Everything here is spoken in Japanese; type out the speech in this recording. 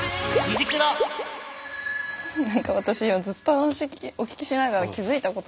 何か私ずっと話お聞きしながら気付いたことがあるんですよ。